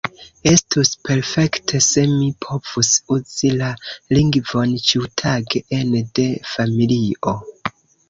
Estus perfekte se mi povus uzi la lingvon ĉiutage ene de familio.